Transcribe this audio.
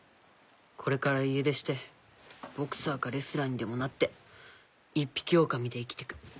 これから家出してボクサーかレスラーにでもなって一匹狼で生きてく。